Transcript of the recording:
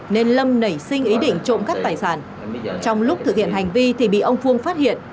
nên lâm nảy sinh ý định trộm cắp tài sản trong lúc thực hiện hành vi thì bị ông phương phát hiện